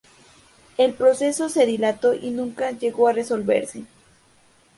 El proceso se dilató y nunca llegó a resolverse.